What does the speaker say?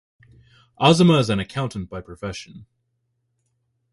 Azumah is an Accountant by profession.